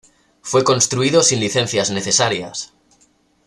Fue construido sin licencias necesarias.